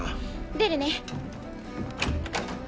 出るね。